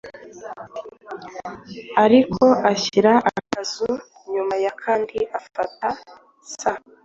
ariko ashyira akazu nyuma ya kandi afata s